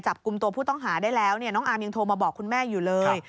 จับกลุ่มตัวผู้ต้องหาได้แล้วน้องอาร์มยังโทรมาบอกคุณแม่อยู่เลย